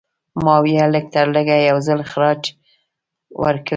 ماهویه لږترلږه یو ځل خراج ورکړی.